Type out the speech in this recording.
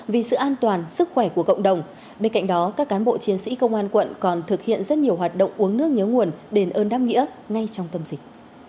vì sự an toàn sức khỏe của cộng đồng bên cạnh đó các cán bộ chiến sĩ công an quận còn thực hiện rất nhiều hoạt động uống nước nhớ nguồn đền ơn đáp nghĩa ngay trong tâm dịch